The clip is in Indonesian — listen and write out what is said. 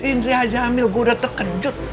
indri aja ambil gue udah terkejut